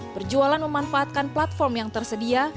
berjualan memanfaatkan platform yang tersedia